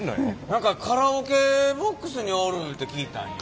何かカラオケボックスにおるて聞いたんよ。